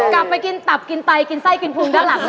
กลับไปกินตับกินไตกินไส้กินพุงได้หลังเลยค่ะ